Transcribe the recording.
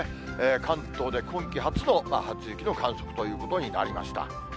関東で今季初の初雪の観測ということになりました。